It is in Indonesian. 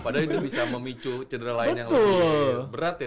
padahal itu bisa memicu cedera lain yang lebih berat ya